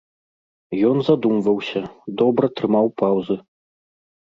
Ён задумваўся, добра трымаў паўзы.